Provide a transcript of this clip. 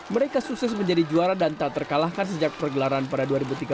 mereka sukses menjadi juara dan tak terkalahkan sejak pergelaran pada dua ribu tiga belas